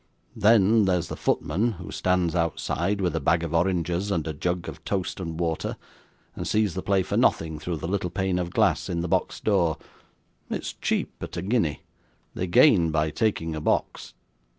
Then, there's the footman, who stands outside, with a bag of oranges and a jug of toast and water, and sees the play for nothing through the little pane of glass in the box door it's cheap at a guinea; they gain by taking a box.